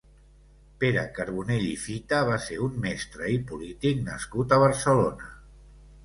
Pere Carbonell i Fita va ser un mestre i polític nascut a Barcelona.